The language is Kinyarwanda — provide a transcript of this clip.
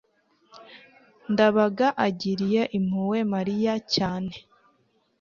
ndabaga agiriye impuhwe mariya cyane